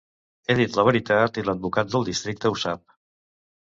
He dit la veritat i l'advocat del districte ho sap.